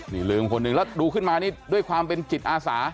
นี่ลืมคนหนึ่งแล้วดูขึ้นมานี่ด้วยความเป็นจิตอาสา